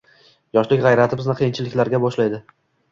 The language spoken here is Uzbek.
Yoshlik g’ayrati bizni qiyinchiliklarga boshlaydi.